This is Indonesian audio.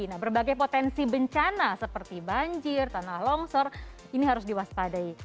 nah berbagai potensi bencana seperti banjir tanah longsor ini harus diwaspadai